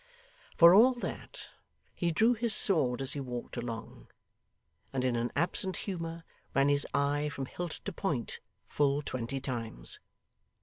For all that, he drew his sword as he walked along, and in an absent humour ran his eye from hilt to point full twenty times.